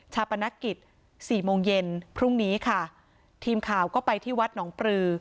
ปนกิจสี่โมงเย็นพรุ่งนี้ค่ะทีมข่าวก็ไปที่วัดหนองปลือ